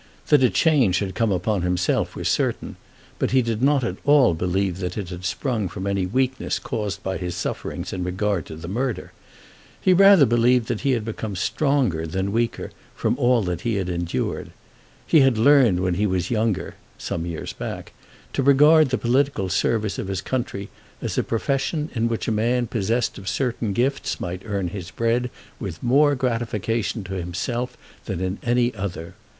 That a change had come upon himself was certain, but he did not at all believe that it had sprung from any weakness caused by his sufferings in regard to the murder. He rather believed that he had become stronger than weaker from all that he had endured. He had learned when he was younger, some years back, to regard the political service of his country as a profession in which a man possessed of certain gifts might earn his bread with more gratification to himself than in any other.